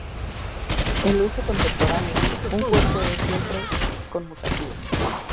En el uso contemporáneo, un cuerpo es siempre conmutativo.